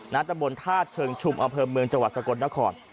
นัตรบทศเกิงชุบอำเภอเมืองจังหวัดสกรนคร